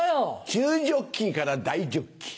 チュウジョッキから大ジョッキ。